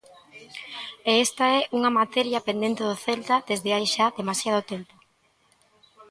E esta é unha materia pendente do Celta desde hai xa demasiado tempo.